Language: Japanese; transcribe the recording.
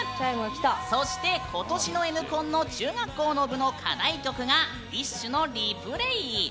そして、今年のＮコンの中学校の部の課題曲がＤＩＳＨ／／の「Ｒｅｐｌａｙ」。